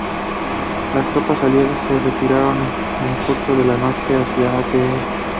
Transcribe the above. Las tropas aliadas se retiraron en el curso de la noche hacia Ath.